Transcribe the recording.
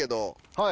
はい。